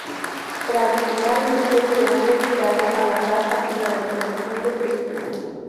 Tradicionalmente se han dedicado a la caza y la recolección de frutos.